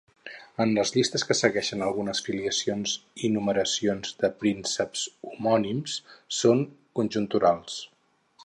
En les llistes que segueixen algunes filiacions i numeracions de prínceps homònims són conjecturals.